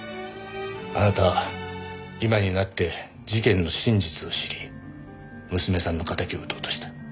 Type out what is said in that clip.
あなた今になって事件の真実を知り娘さんの敵を討とうとした。